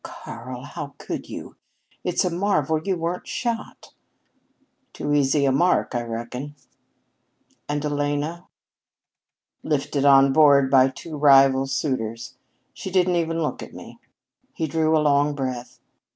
"Karl! How could you? It's a marvel you weren't shot." "Too easy a mark, I reckon." "And Elena?" "Lifted on board by two rival suitors. She didn't even look at me." He drew a long breath.